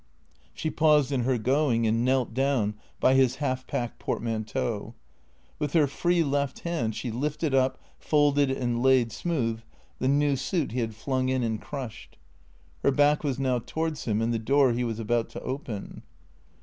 She paused in her going and knelt down by his half packed portmanteau. With her free left hand she lifted up, folded and laid smooth the new suit he had flung in and crushed. Her back was now towards him and the door he was about to open.